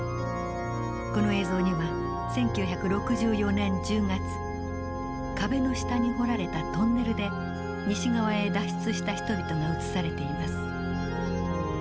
この映像には１９６４年１０月壁の下に掘られたトンネルで西側へ脱出した人々が映されています。